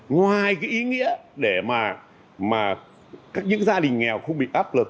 ngoài cái ý nghĩa để mà các những gia đình nghèo không bị áp lực